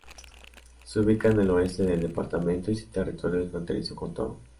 Se ubica en el oeste del departamento y su territorio es fronterizo con Togo.